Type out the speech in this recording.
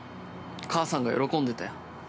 母さんが喜んでたよ。